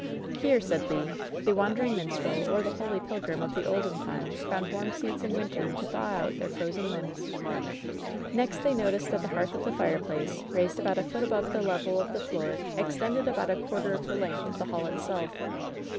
"Here,'' said Le, "the wandering minstrel or the holy pilgrim, of the olden time found warm seats in winter to liaw out their frozen limbs.'^ 266 LOVE'S BITTEREST CUP Kext they noticed that the hearth of the fireplaoe, raised about a foot above the level of the floor, extended about a quarter of the length of the hall itself.